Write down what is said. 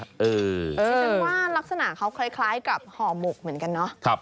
ซึ่งว่ารักษณะเค้าคล้ายกับหอมหมกเหมือนกันเนอะ